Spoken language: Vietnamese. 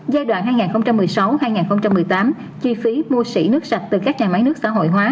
giai đoạn hai nghìn một mươi sáu hai nghìn một mươi tám chi phí mua xỉ nước sạch từ các nhà máy nước xã hội hóa